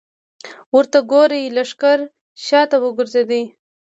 ورته وګورئ! لښکر شاته وګرځېد.